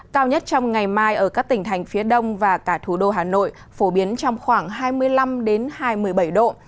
cao nhất trong ngày mai ở các tỉnh thành phía đông và cả thủ đô hà nội phổ biến trong khoảng hai mươi năm hai mươi bảy độ